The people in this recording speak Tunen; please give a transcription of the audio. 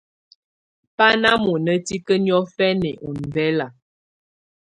Bà nà mɔ̀na tikǝ́ niɔ̀fɛna ɔmbɛla.